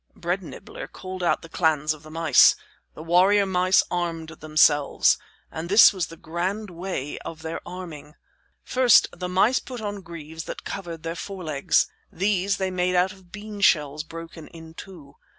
Bread Nibbler called out the clans of the mice. The warrior mice armed themselves, and this was the grand way of their arming: First, the mice put on greaves that covered their forelegs. These they made out of bean shells broken in two.